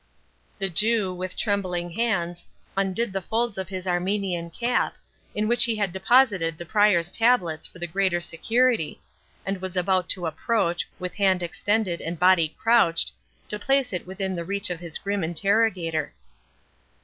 The Jew, with trembling hands, undid the folds of his Armenian cap, in which he had deposited the Prior's tablets for the greater security, and was about to approach, with hand extended and body crouched, to place it within the reach of his grim interrogator.